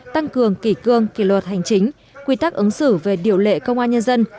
tăng cường kỷ cương kỷ luật hành chính quy tắc ứng xử về điều lệ công an nhân dân